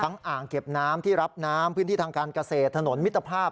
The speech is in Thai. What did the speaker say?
อ่างเก็บน้ำที่รับน้ำพื้นที่ทางการเกษตรถนนมิตรภาพ